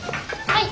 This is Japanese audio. はい。